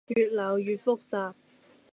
越攪越複雜